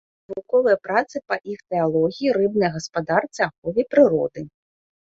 Навуковыя працы па іхтыялогіі, рыбнай гаспадарцы, ахове прыроды.